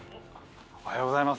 おはようございます。